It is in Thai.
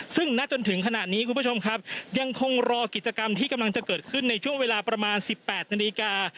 ซึ่งณจนถึงขณะนี้คุณผู้ชมครับยังคงรอกิจกรรมที่กำลังจะเกิดขึ้นในช่วงเวลาประมาณ๑๘นาฬิกา